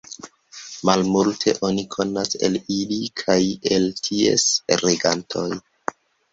Malmulte oni konas el ili kaj el ties regantoj.